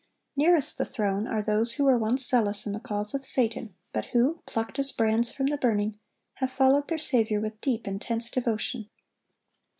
Nearest the throne are those who were once zealous in the cause of Satan, but who, plucked as brands from the burning, have followed their Saviour with deep, intense devotion.